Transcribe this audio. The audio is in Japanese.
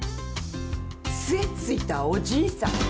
つえついたおじいさん。